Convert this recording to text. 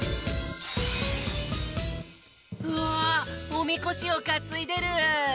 おみこしをかついでる！